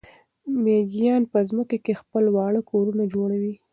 مېږیان په ځمکه کې خپل واړه کورونه جوړوي.